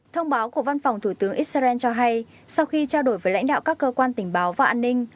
thông báo của văn phòng thủ tướng israel cho hay sau khi trao đổi với lãnh đạo các cơ quan tình báo và an ninh